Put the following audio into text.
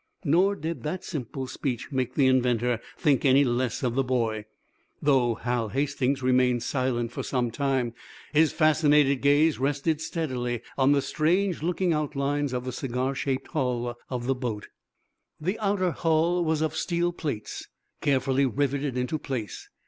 Nor did that simple speech make the inventor think any less of the boy. Though Hal Hastings remained silent for some time, his fascinated gaze rested steadily on the strange looking outlines of the cigar shaped bull of the boat. The outer hull was of steel plates, carefully riveted into place.